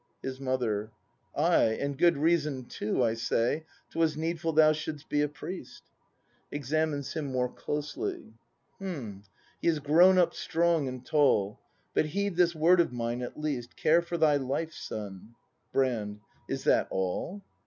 His Mother. Ay, and good reason too, I say 'Twas needful thou shouldst be a priest. [Examines him more closely.] H'm, he is grown up strong and tall. But heed this word of mine, at least, — Care for thy life, son! Brand. Ts that all